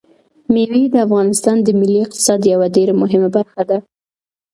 مېوې د افغانستان د ملي اقتصاد یوه ډېره مهمه برخه ده.